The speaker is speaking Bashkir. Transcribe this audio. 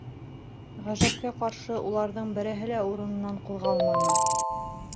Ғәжәпкә ҡаршы, уларҙың береһе лә урынынан ҡуҙғалманы.